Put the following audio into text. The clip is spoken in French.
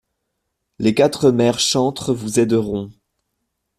Les quatre mères chantres vous aideront.